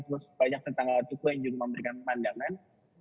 terus banyak di tuku yang juga memberikan pandangan